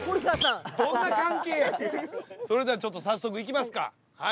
それではちょっと早速行きますかはい。